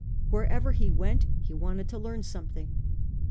Wherever he went he wanted to learn something.